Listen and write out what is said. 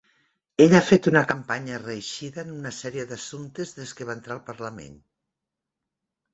Ella ha fet una campanya reeixida en una sèrie d'assumptes des que va entrar al Parlament.